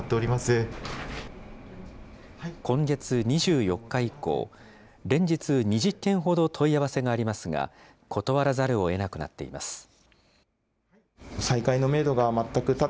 今月２４日以降、連日２０件ほど問い合わせがありますが、断らざるをえなくなっています。